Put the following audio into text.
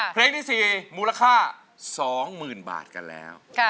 เพลงที่๔มูลค่า๒๐๐๐บาทกันแล้ว